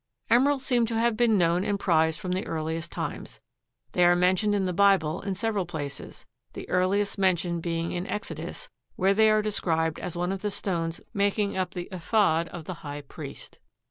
Emeralds seem to have been known and prized from the earliest times. They are mentioned in the Bible in several places, the earliest mention being in Exodus, where they are described as one of the stones making up the ephod of the high priest.